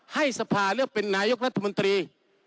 ให้สภาเลือกเป็นนายกรัฐมนตรี